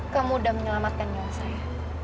kamu dan menyelamatkan nyawa saya